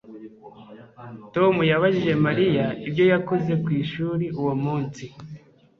Tom yabajije Mariya ibyo yakoze ku ishuri uwo munsi